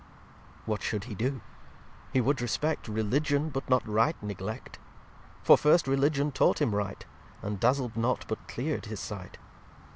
xxix What should he do? He would respect Religion, but not Right neglect: For first Religion taught him Right, And dazled not but clear'd his sight.